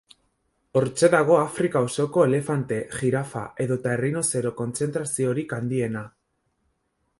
Hortxe dago Afrika osoko elefante, jirafa edota errinozero kontzentraziorik handiena.